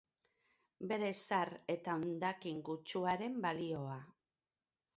Bere zahar eta hondakin kutsuaren balioa.